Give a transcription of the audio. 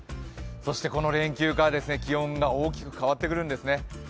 そしてこの連休から気温が大きく変わってくるんですね。